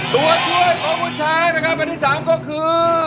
ตัวช่วยของคุณช้างนะครับแผ่นที่สามก็คือ